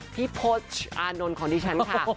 พี่โพชอานนท์ของดิฉันค่ะ